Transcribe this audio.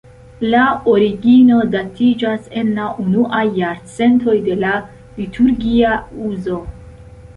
La origino datiĝas en la unuaj jarcentoj de la liturgia uzo.